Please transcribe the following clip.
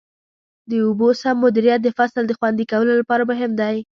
د اوبو سم مدیریت د فصل د خوندي کولو لپاره مهم دی.